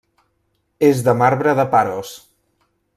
És de marbre de Paros.